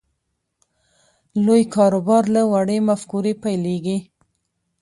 لوی کاروبار له وړې مفکورې پیلېږي